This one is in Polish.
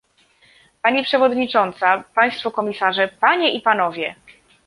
Pani przewodnicząca, państwo komisarze, panie i panowie